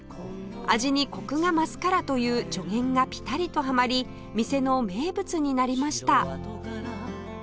味にコクが増すからという助言がピタリとはまり店の名物になりました